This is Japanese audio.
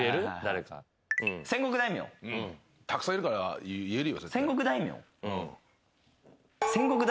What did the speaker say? たくさんいるから言えるよ。